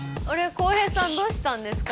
浩平さんどうしたんですか？